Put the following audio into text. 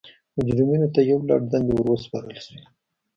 مجرمینو ته یو لړ دندې ور وسپارل شوې.